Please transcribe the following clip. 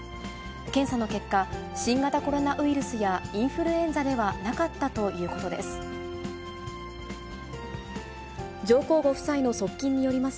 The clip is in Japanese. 検査の結果、新型コロナウイルスやインフルエンザではなかったということです。